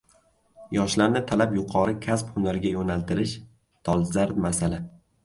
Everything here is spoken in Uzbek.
Yoshlarni talab yuqori kasb-hunarga yo‘naltirish dolzarb masala